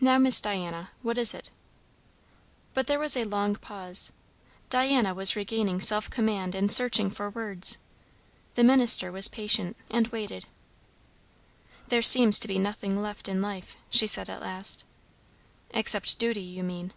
"Now, Miss Diana, what is it?" But there was a long pause. Diana was regaining self command and searching for words. The minister was patient, and waited. "There seems to be nothing left in life," she said at last. "Except duty, you mean?"